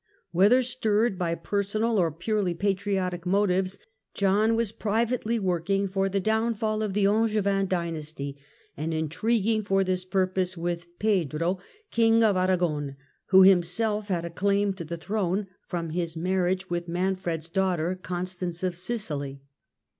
Whether stirred by per sonal or purely patriotic motives, John was privately working for the downfall of the Angevin dynasty, and intriguing for this purpose w^ith Pedro King of Aragon, who himself had a claim to the throne from his marriage with Manfred's daughter Constance of Sicily.